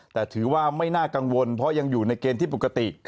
แต่ถือว่าไม่น่ากังวลเพราะยังอยู่ในเกณฑ์ที่ปกติ